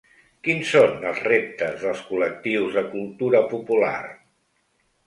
Quins són els reptes dels col·lectius de cultura popular?